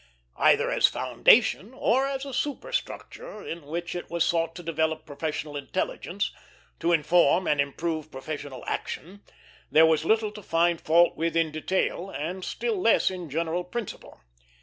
Either as foundation, or as a super structure in which it was sought to develop professional intelligence, to inform and improve professional action, there was little to find fault with in detail, and less still in general principle.